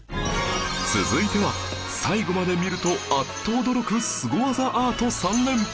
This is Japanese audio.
続いては最後まで見るとあっと驚くスゴ技アート３連発